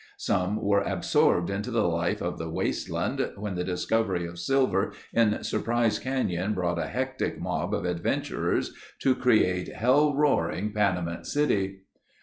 Some were absorbed into the life of the wasteland when the discovery of silver in Surprise Canyon brought a hectic mob of adventurers to create hell roaring Panamint City.